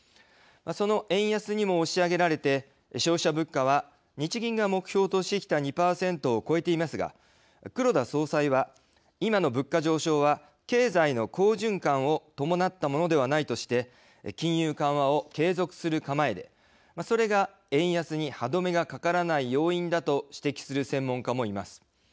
その円安にも押し上げられて消費者物価は日銀が目標としてきた２％を超えていますが黒田総裁は今の物価上昇は、経済の好循環を伴ったものではないとして金融緩和を継続する構えでそれが円安に歯止めがかからない要因だと指摘する専門家もいます。